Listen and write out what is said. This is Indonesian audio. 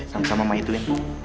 sama sama sama itu ya